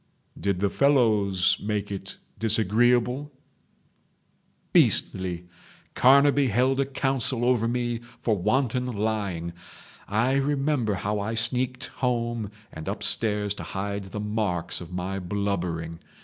"Did the fellows—make it disagreeable?" "Beastly ..... Carnaby held a council over me for wanton lying. I remember how I sneaked home and upstairs to hide the marks of my blubbering.